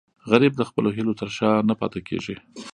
غریب د خپلو هیلو تر شا نه پاتې کېږي